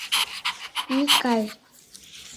Микай».